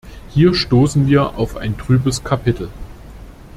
Hier stoßen wir auf ein trübes Kapitel.